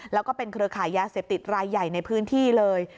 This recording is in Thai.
แล้วก็เป็นเครือขายยาเสพติดรายใหญ่ในพื้นที่เลย